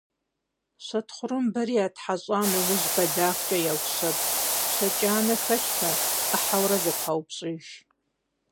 Щэ тхъурымбэри ятхьэщӀа нэужь бэлагъкӀэ яущэб, щэ кӀанэ хэлъмэ, Ӏыхьэурэ зэпаупщӀыж.